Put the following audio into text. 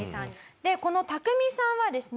でこのタクミさんはですね